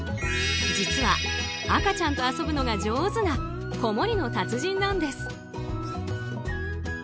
実は、赤ちゃんと遊ぶのが上手な子守の達人なんです。